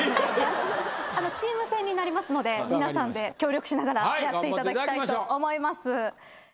チーム戦になりますので皆さんで協力しながらやっていただきたいと思います。